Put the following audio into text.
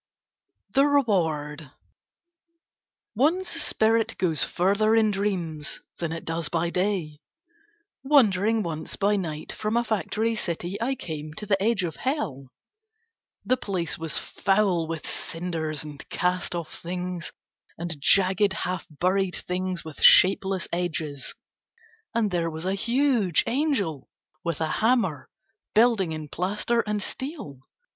THE REWARD One's spirit goes further in dreams than it does by day. Wandering once by night from a factory city I came to the edge of Hell. The place was foul with cinders and cast off things, and jagged, half buried things with shapeless edges, and there was a huge angel with a hammer building in plaster and steel.